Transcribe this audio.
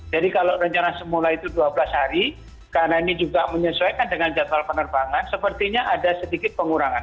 jadi kalau rencana semula itu dua belas hari karena ini juga menyesuaikan dengan jadwal penerbangan sepertinya ada sedikit pengurangan